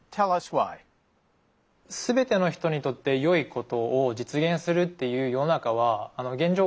全ての人にとって良いことを実現するっていう世の中は現状